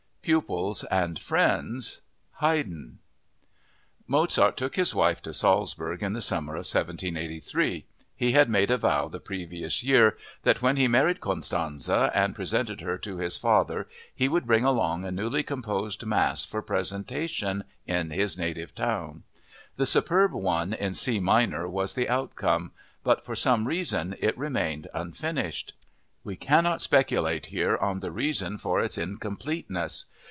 Pupils and Friends—Haydn Mozart took his wife to Salzburg in the summer of 1783. He had made a vow the previous year that when he married Constanze and presented her to his father he would bring along a newly composed mass for presentation in his native town. The superb one in C minor was the outcome, but for some reason it remained unfinished. We cannot speculate here on the reasons for its incompleteness.